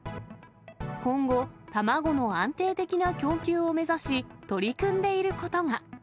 今後、卵の安定的な供給を目指し、取り組んでいることが。